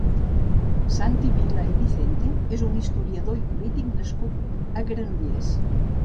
Santi Vila i Vicente és un historiador i polític nascut a Granollers.